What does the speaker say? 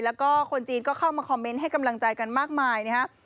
แล้วก็คนจีนก็เข้ามาคอมเมนต์ให้กำลังใจกันมากมายนะครับ